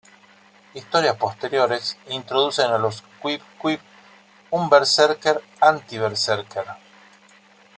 Historias posteriores introducen a los "qwib-qwib", un berserker anti-berserker.